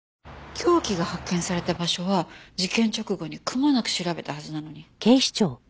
凶器が発見された場所は事件直後にくまなく調べたはずなのに。